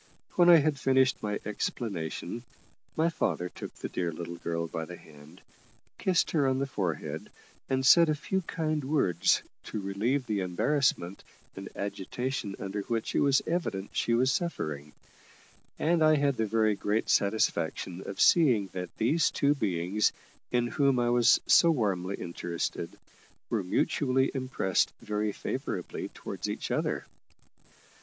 When I had finished my explanation, my father took the dear little girl by the hand, kissed her on the forehead, and said a few kind words to relieve the embarrassment and agitation under which it was evident she was suffering; and I had the very great satisfaction of seeing that these two beings, in whom I was so warmly interested, were mutually impressed very favourably towards each other.